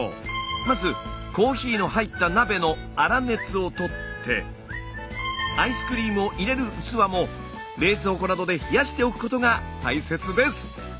まずコーヒーの入った鍋の粗熱をとってアイスクリームを入れる器も冷蔵庫などで冷やしておくことが大切です！